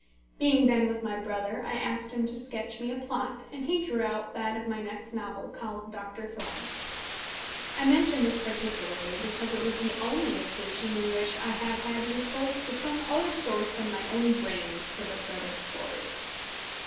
Being then with my brother, I asked him to sketch me a plot, and he drew out that of my next novel, called Doctor Thorne. I mention this particularly, because it was the only occasion in which I have had recourse to some other source than my own brains for the thread of a story.